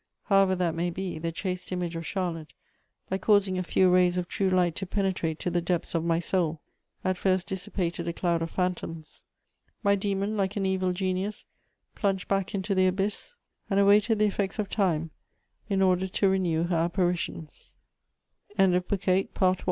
However that may be, the chaste image of Charlotte, by causing a few rays of true light to penetrate to the depths of my soul, at first dissipated a cloud of phantoms: my dæmon, like an evil genius, plunged back into the abyss, and awaited the effects of time in order to renew h